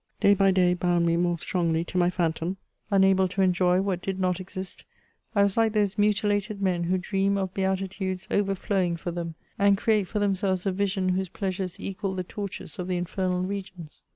Day by day bound me more strongly to my phantom, unable to enjoy what did not exist, I was Hke those mutilated men who dream of beatitudes overflowing for them, and create for themselves a vision whose pleasures equal the tortures of the infernal regions.